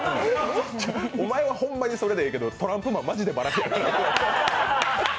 お前はホンマにそれでいいけどトランプマンマジでバラシやからな。